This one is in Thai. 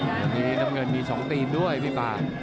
น้ำเงินมีถึง๒ตีดด้วยพี่ปาน